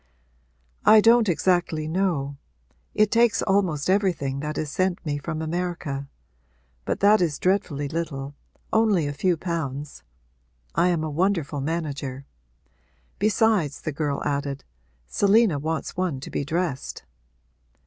'I don't exactly know: it takes almost everything that is sent me from America. But that is dreadfully little only a few pounds. I am a wonderful manager. Besides,' the girl added, 'Selina wants one to be dressed.'